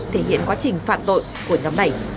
thể hiện quá trình phạm tội của nhóm này